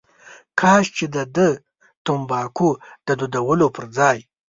کاش چې دده تنباکو د دودولو پر ځای.